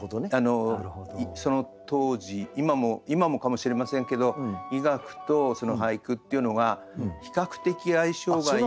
その当時今もかもしれませんけど医学と俳句っていうのが比較的相性がいいような。